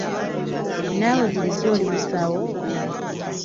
Naawe bulijjo oli musawo?